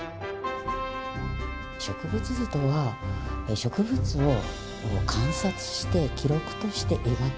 植物図とは植物を観察して記録として描く。